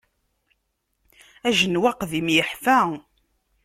Ajenwi aqdim yeḥfa.